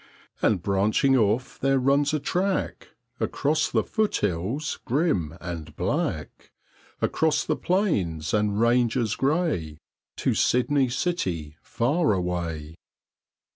And branching off there runs a track, Across the foothills grim and black, Across the plains and ranges grey To Sydney city far away.